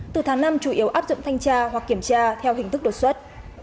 từ tháng năm chủ yếu áp dụng thanh tra hoặc kiểm tra theo hình thức đột xuất